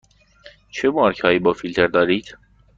چه مارک هایی با فیلتر دارید؟